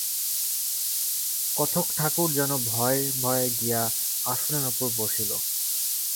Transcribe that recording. কথকঠাকুর যেন ভয়ে ভয়ে গিয়া আসনের উপর বসিল।